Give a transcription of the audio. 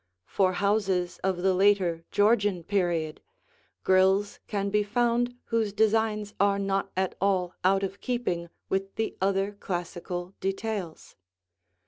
For houses of the later Georgian period, grills can be found whose designs are not at all out of keeping with the other classical details.